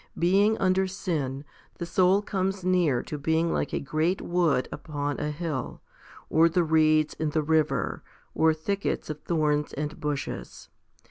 Being under sin, the soul comes near to being like a great wood upon a hill, or the reeds in the river, or thickets of thorns and bushes.